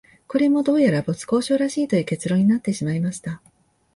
これも、どうやら没交渉らしいという結論になってしまいました